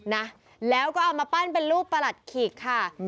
นะแล้วก็เอามาปั้นเป็นรูปประหลัดขีกค่ะ